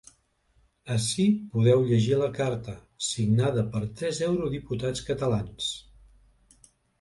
Ací podeu llegir la carta, signada per tres eurodiputats catalans.